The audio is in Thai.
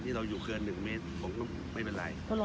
ที่เราอยู่เกินหนึ่งเมตรผมก็ไม่เป็นไร